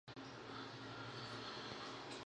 نقش یې د لمر په څېر څرګند نه دی.